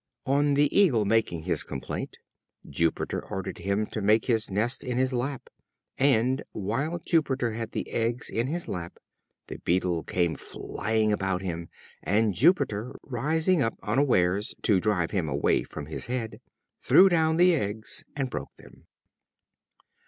On the Eagle making his complaint, Jupiter ordered him to make his nest in his lap; and while Jupiter had the eggs in his lap, the Beetle came flying about him, and Jupiter, rising up unawares to drive him away from his head, threw down the eggs, and broke them.